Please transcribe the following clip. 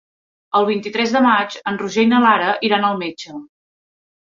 El vint-i-tres de maig en Roger i na Lara iran al metge.